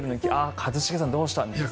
一茂さん、どうしたんですか？